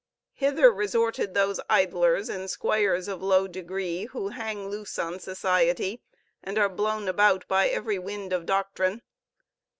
Hither resorted those idlers and squires of low degree who hang loose on society and are blown about by every wind of doctrine.